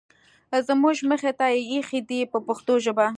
زموږ مخې ته یې اېښي دي په پښتو ژبه.